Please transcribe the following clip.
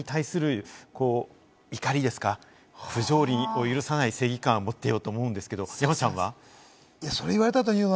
社会に対する怒りですか、不条理を許さない正義感を持っていると思うんですけど、山ちゃんは。